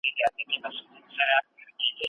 فزیکي قوانین په فضا کې په خپله طریقه کار کوي.